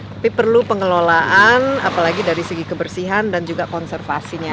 tapi perlu pengelolaan apalagi dari segi kebersihan dan juga konservasinya